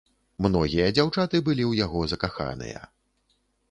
Многія дзяўчаты былі ў яго закаханыя.